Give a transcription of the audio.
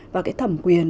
và cái thẩm quyền